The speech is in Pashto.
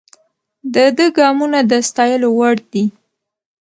د ده ګامونه د ستایلو وړ دي.